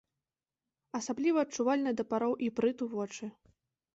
Асабліва адчувальныя да пароў іпрыту вочы.